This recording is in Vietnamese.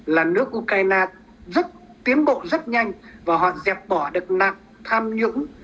là nước ukraine tiến bộ rất nhanh và họ dẹp bỏ đặc nạc tham nhũng